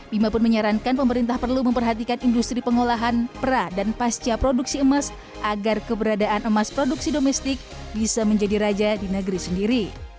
bima pun menyarankan pemerintah perlu memperhatikan industri pengolahan pra dan pasca produksi emas agar keberadaan emas produksi domestik bisa menjadi raja di negeri sendiri